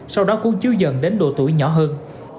sau đó cũng chứa dần đến độ tuổi nhỏ hơn